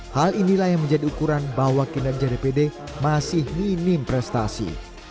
hal inilah yang menjadi ukuran bahwa kinerja dpd masih minim prestasi